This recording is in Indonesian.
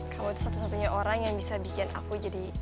kamu itu satu satunya orang yang bisa bikin aku jadi